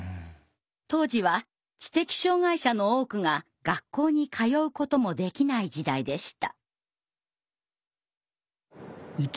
当時は知的障害者の多くが学校に通うこともできない時代でした。